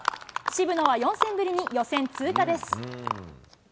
渋野は４戦ぶりに予選通過です。